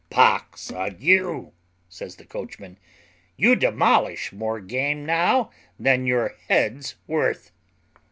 "Pox on you," said the coachman, "you demolish more game now than your head's worth.